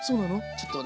ちょっとね